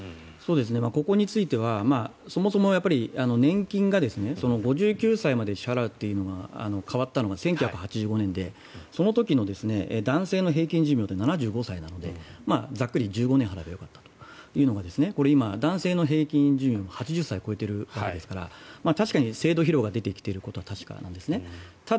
ここについてはそもそも年金が５９歳まで支払うというのが変わったのが１９８５年でその時の男性の平均寿命って７５歳なのでざっくり１５年払えばよかったと今、男性の平均寿命８０歳を超えているので確かに制度疲労が出てきていることは確かなんですね。